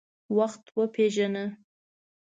وخت وپیژنه.